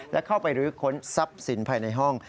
และเข้าไปรื้อค้นทรัพย์สินภายในห้อง